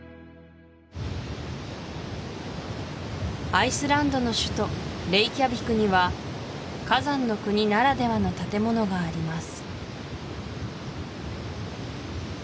アイスランドの首都レイキャビクには火山の国ならではの建物があります